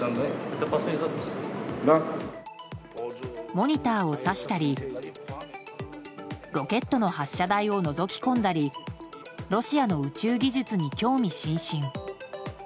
モニターを指したりロケットの発射台をのぞき込んだりロシアの宇宙技術に興味津々。